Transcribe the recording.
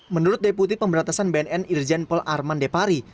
menurut deputi pemberantasan bnn irjen pol arman depari